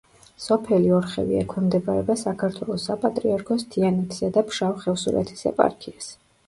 სოფელი ორხევი ექვემდებარება საქართველოს საპატრიარქოს თიანეთისა და ფშავ-ხევსურეთის ეპარქიას.